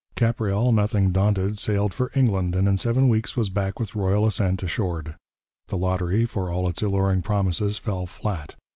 Capreol, nothing daunted, sailed for England, and in seven weeks was back with royal assent assured. The lottery, for all its alluring promises, fell flat.